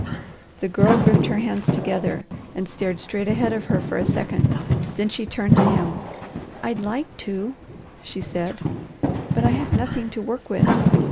The Girl gripped her hands together and stared straight ahead of her for a second, then she turned to him. "I'd like to," she said, "but I have nothing to work with.